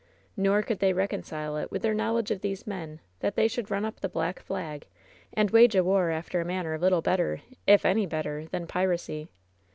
Nor could they reconcile it with their knowledge of these men that they should run up the black flag, and wage a war after a manner little better, if any better, than piracy.